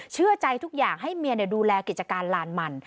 เชื่อใจทุกอย่างให้เมียดูแลกิจการลานมัน